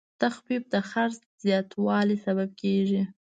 تخفیف د خرڅ زیاتوالی سبب کېږي.